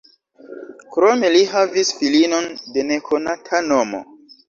Krome li havis filinon de nekonata nomo.